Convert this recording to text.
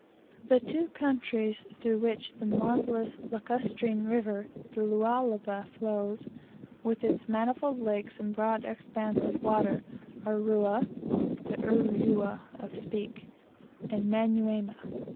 The two countries through which the marvellous lacustrine river, the Lualaba, flows, with its manifold lakes and broad expanse of water, are Rua (the Uruwwa of Speke) and Manyuema.